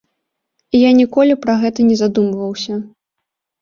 Я ніколі пра гэта не задумваўся.